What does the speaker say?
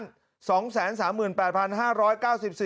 ครับ